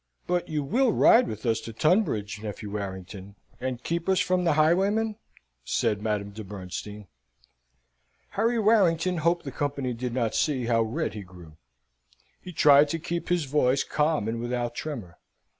"But you will ride with us to Tunbridge, nephew Warrington, and keep us from the highwaymen?" said Madame de Bernstein. Harry Warrington hoped the company did not see how red he grew. He tried to keep his voice calm and without tremor.